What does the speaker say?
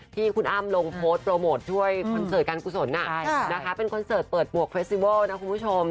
ที่คุณอ้ามลงโพสโปรโมทด้วยคอนเซิร์ตการกุศลน่ะนะคะเป็นคอนเซิร์ตเปิดหมวกเฟซิวัลนะคุณผู้ชม